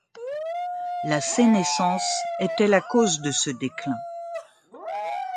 La sénescence était la cause de ce déclin.